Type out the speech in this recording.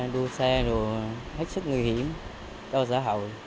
đua xe đua hết sức nguy hiểm cho xã hội